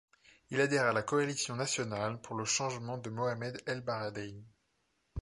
Il adhère à la Coalition nationale pour le changement de Mohamed El Baradei.